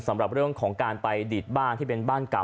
สำหรับเรื่องของการไปดีดบ้านที่เป็นบ้านเก่า